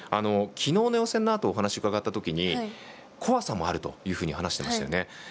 きのうの予選のあとお話伺ったときに怖さもあるというふうに話していましたよね。